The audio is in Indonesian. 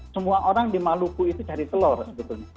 semua orang di maluku itu cari telur sebetulnya